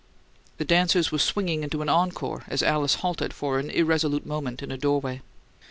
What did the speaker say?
The dancers were swinging into an "encore" as Alice halted for an irresolute moment in a doorway.